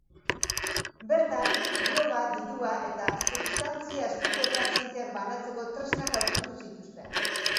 Bertan, droga, dirua eta substantzia estupefazienteak banatzeko tresnak aurkitu zituzten.